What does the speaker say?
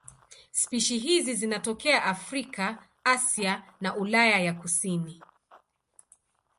Spishi hizi zinatokea Afrika, Asia na Ulaya ya kusini.